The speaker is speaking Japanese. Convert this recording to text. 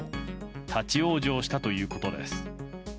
立ち往生したということです。